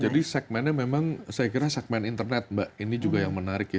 jadi segmennya memang saya kira segmen internet mbak ini juga yang menarik ya